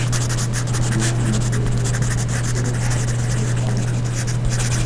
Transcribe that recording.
مەن ئۇنىڭ كۆزلىرىگە تىكىپ تۇرۇپ قالدىم.